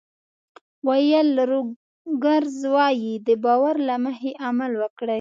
ویل روګرز وایي د باور له مخې عمل وکړئ.